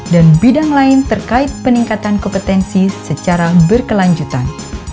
dan bidang lain terkait peningkatan kompetensi secara berkelanjutan